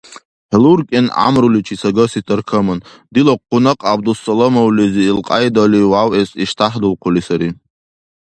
— ХӀулуркӀен гӀямруличи, сагаси таркаман! — дила къунакъ ГӀябдусаламовлизи илкьяйдали вявэс иштяхӀдулхъули сари.